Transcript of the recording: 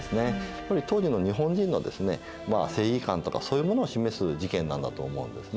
やっぱり当時の日本人の正義感とかそういうものを示す事件なんだと思うんですね。